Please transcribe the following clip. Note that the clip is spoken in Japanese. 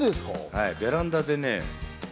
はい、ベランダでね。